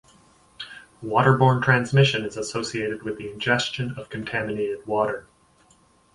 Water-borne transmission is associated with the ingestion of contaminated water.